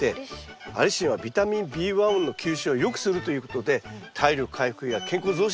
アリシンはビタミンＢ１の吸収を良くするということで体力回復や健康増進。